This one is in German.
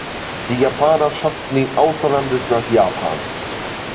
Die Japaner schafften ihn außer Landes nach Japan.